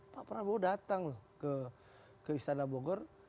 pak prabowo datang loh ke istana bogor